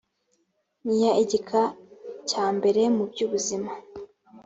n iya igika cya mbere mubyubuzima